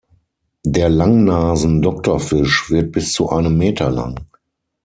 Der Langnasen-Doktorfisch wird bis zu einem Meter lang.